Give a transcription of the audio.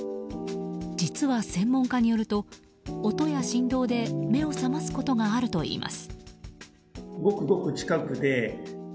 実は専門家によると音や振動で目を覚ますことがあるといいます。